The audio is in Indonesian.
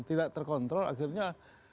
tidak terkontrol akhirnya